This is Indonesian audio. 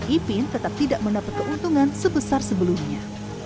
ipin tetap tidak mendapat keuntungan sebesar sebelumnya